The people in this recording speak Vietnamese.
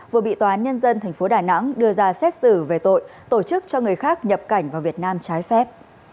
vừa bị tòa án nhân dân tp đà nẵng đưa ra xét xử về tội tổ chức cho người khác nhập cảnh vào việt nam trái phép